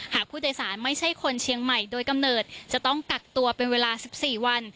หากผู้โดยสารไม่ใช่คนเชียงใหม่โดยกำเนิดจะต้องกักตัวเป็นเวลา๑๔วัน